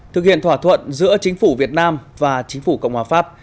thực hiện thỏa thuận giữa chính phủ việt nam và chính phủ cộng hòa pháp